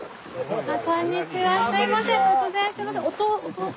すいません突然。